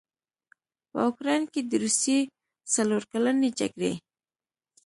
په اوکراین کې د روسیې څلورکلنې جګړې